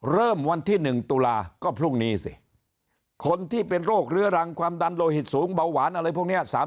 เริ่มวันที่๑ตุลาก็พรุ่งนี้สิคนที่เป็นโรคเรื้อรังความดันโลหิตสูงเบาหวานอะไรพวกนี้